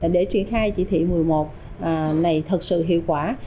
để triển khai chỉ thị một mươi một này thật sự hiệu quả